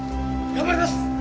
頑張ります！